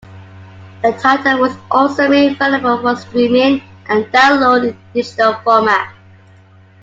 The title was also made available for streaming and download in the digital format.